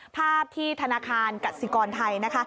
ภาพที่ธนาคารกสิกรไทย